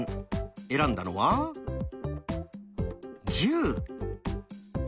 選んだのは「１０」。